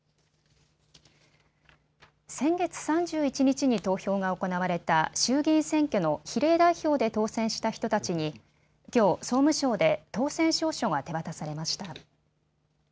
先月３１日に投票が行われた衆議院選挙の比例代表で当選した人たちにきょう総務省で当選証書が手渡されました。